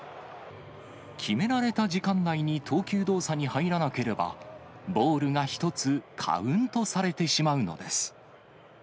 決められた時間内に投球動作に入らなければ、ボールが１つカウントされてしまうのです。